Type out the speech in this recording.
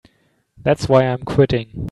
That's why I'm quitting.